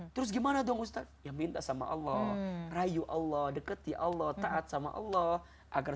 terus gimana dong ustadz ya minta sama allah rayu allah deketi allah taat sama allah agar